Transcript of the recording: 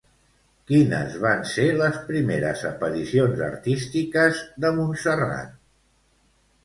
Quines van ser les primeres aparicions artístiques de Montserrat?